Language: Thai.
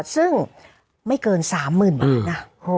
ซึ่งไม่เกิน๓๐๐๐บาทนะ